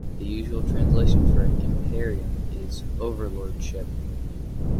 The usual translation for "imperium" is "overlordship".